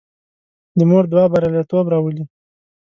د مور دعا بریالیتوب راولي.